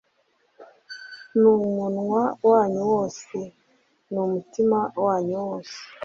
n'umunwa wanyu wose, n'umutima wanyu wose